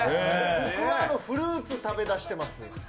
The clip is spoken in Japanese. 僕はフルーツ食べだしてます。